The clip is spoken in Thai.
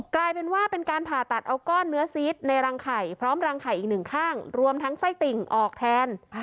กลายเป็นว่าเป็นการผ่าตัดเอาก้อนเนื้อซีสในรังไข่พร้อมรังไข่อีกหนึ่งข้างรวมทั้งไส้ติ่งออกแทน